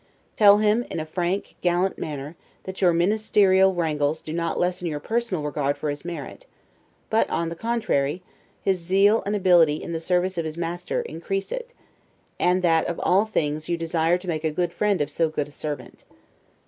Tell him, in a frank, gallant manner, that your ministerial wrangles do not lessen your personal regard for his merit; but that, on the contrary, his zeal and ability in the service of his master, increase it; and that, of all things, you desire to make a good friend of so good a servant.